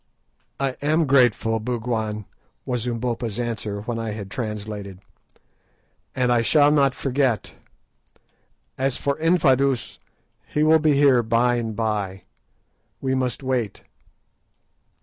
"I am grateful, Bougwan," was Umbopa's answer, when I had translated, "and I shall not forget. As for Infadoos, he will be here by and by. We must wait."